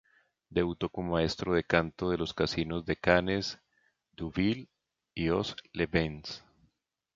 Debutó como maestro de canto en los casinos de Cannes, Deauville y Aix-les-Bains.